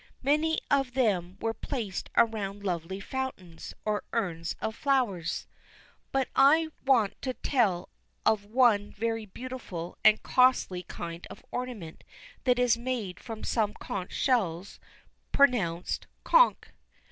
Many of them were placed around lovely fountains, or urns of flowers. But I want to tell of one very beautiful and costly kind of ornament that is made from some conch shells, pronounced "konk."